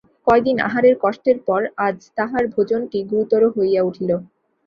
কয়দিন আহারের কষ্টের পর আজ তাহার ভোজনটি গুরুতর হইয়া উঠিল।